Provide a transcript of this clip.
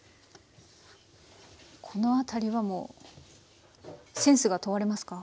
この辺りはもうセンスが問われますか？